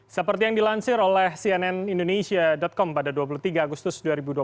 seperti yang dilansir oleh cnn indonesia com pada dua puluh tiga agustus dua ribu dua puluh